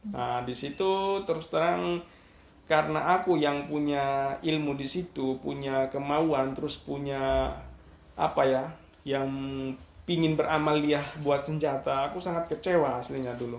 nah disitu terus terang karena aku yang punya ilmu di situ punya kemauan terus punya apa ya yang ingin beramaliyah buat senjata aku sangat kecewa aslinya dulu